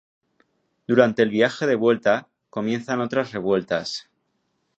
Durante el viaje de vuelta, comienzan otras revueltas.